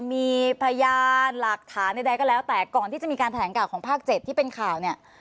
มีพยานหลักฐานใดก็แล้วแต่ก่อนที่จะมีการแถลงข่าวของภาค๗ที่เป็นข่าวเนี่ย